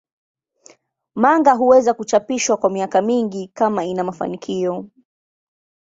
Manga huweza kuchapishwa kwa miaka mingi kama ina mafanikio.